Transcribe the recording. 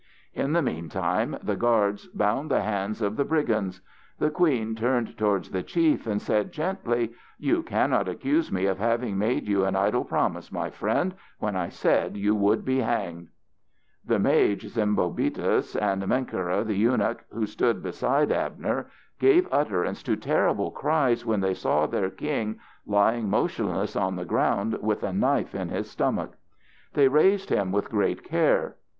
In the meantime the guards bound the hands of the brigands. The queen turned towards the chief and said gently: "You cannot accuse me of having made you an idle promise, my friend, when I said you would be hanged." The mage Sembobitis and Menkera the eunuch, who stood beside Abner, gave utterance to terrible cries when they saw their king lying motionless on the ground with a knife in his stomach. They raised him with great care.